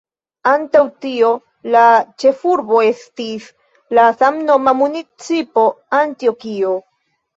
Antaŭ tio, la ĉefurbo estis la samnoma municipo Antjokio.